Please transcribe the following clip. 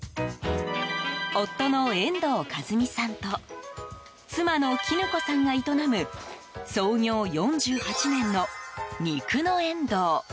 夫の遠藤一己さんと妻の絹子さんが営む創業４８年の、肉のえんどう。